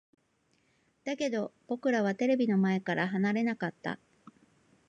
だけど、僕らはテレビの前から離れなかった。